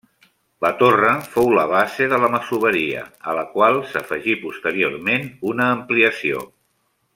La torre fou la base de la Masoveria, a la qual s'afegí posteriorment una ampliació.